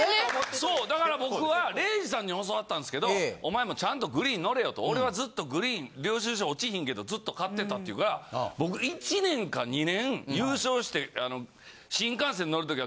そうだから僕は礼二さんに教わったんすけどお前もちゃんとグリーン乗れよと俺はずっとグリーン領収書落ちひんけどずっと買ってたって言うから僕１年か２年優勝して新幹線乗る時は。